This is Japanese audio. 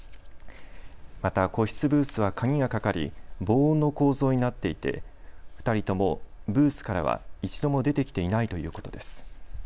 また個室ブースは鍵がかかり防音の構造になっていて２人ともブースからは一度も出てきていないということです。